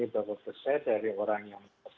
berapa besar dari orang yang